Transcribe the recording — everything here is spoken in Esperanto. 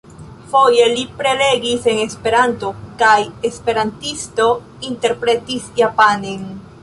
Foje li prelegis en Esperanto, kaj esperantisto interpretis japanen.